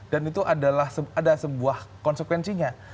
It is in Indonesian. dan itu adalah ada sebuah konsekuensinya